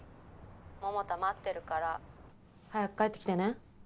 「百太待ってるから」早く帰ってきてね。